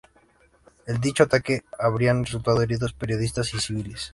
En dicho ataque habrían resultado heridos periodistas y civiles.